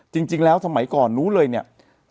จริงแล้วสมัยก่อนนู้นเลยเนี่ย